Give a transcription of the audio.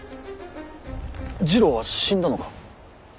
次郎は死んだのか。